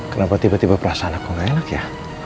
kenapa tiba tiba perasaan aku gak enak ya